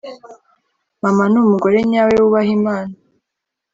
mama ni umugore nyawe, wubaha imana